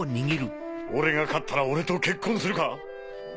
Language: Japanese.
俺が勝ったら俺と結婚するか？